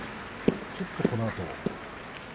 ちょっとこのあと。